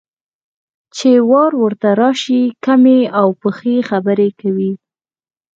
چې وار ورته راشي، کمې او پخې خبرې کوي.